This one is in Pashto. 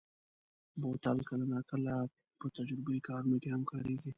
بوتل کله ناکله په تجربهيي کارونو کې هم کارېږي.